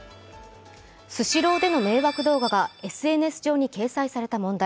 スシローでの迷惑動画がＳＮＳ上に掲載された問題。